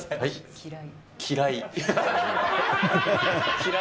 嫌い？